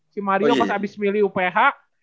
si mario pas habis milih uph